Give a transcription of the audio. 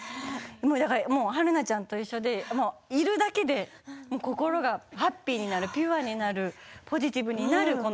だから春菜ちゃんと一緒でいるだけで心がハッピーになるピュアになる、ポジティブになる。